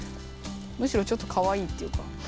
むしろちょっとかわいいというか。